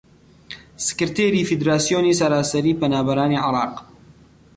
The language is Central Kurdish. سکرتێری فیدراسیۆنی سەراسەریی پەنابەرانی عێراق